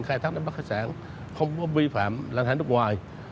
khai thác đám bắt khách sạn không vi phạm lan thải nước ngoài